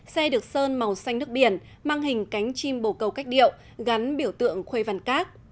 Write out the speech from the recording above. xe được sơn màu xanh nước biển mang hình cánh chim bầu cầu cách điệu gắn biểu tượng khuây văn cát